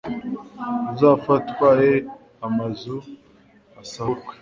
uzafatwa e amazu asahurwe